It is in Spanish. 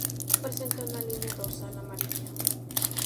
Presenta una línea dorsal amarilla.